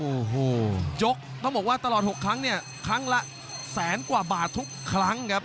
โอ้โหยกต้องบอกว่าตลอด๖ครั้งเนี่ยครั้งละแสนกว่าบาททุกครั้งครับ